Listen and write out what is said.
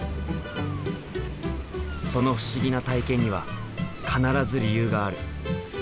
その不思議な体験には必ず理由がある。